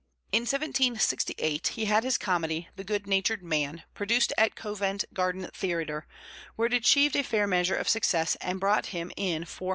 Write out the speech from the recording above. In 1768 he had his comedy, The Good Natured Man, produced at Covent Garden Theatre, where it achieved a fair measure of success and brought him in £400.